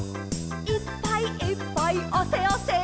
「いっぱいいっぱいあせあせ」